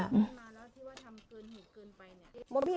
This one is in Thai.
ขึ้นมาแล้วที่ว่าทำเกินหูเกินไปเนี่ย